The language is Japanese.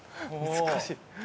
難しい。